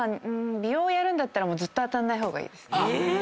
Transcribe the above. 美容をやるんだったらずっと当たんない方がいいです。